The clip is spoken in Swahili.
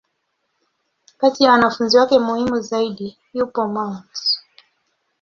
Kati ya wanafunzi wake muhimu zaidi, yupo Mt.